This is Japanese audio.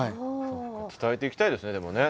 伝えていきたいですよねでもね。